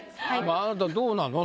あなたどうなの？